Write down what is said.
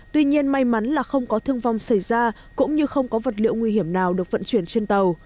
tuy nhiên may mắn là không có thương vong xảy ra cũng như không có vật liệu nguy hiểm nào được vận chuyển trên tàu